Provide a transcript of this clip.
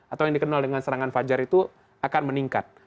atau yang dikenal dengan serangan fajar itu akan meningkat